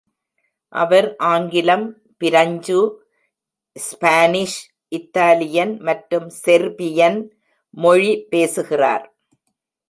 அவர் ஆங்கிலம், பிரஞ்சு, Spanish, Italian மற்றும் செர்பியன் மொழி பேசுகிறார்